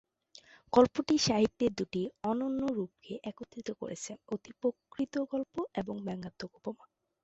গল্পটি সাহিত্যের দুটি অনন্য রূপকে একত্রিত করেছে: অতিপ্রাকৃত গল্প এবং ব্যঙ্গাত্মক উপমা।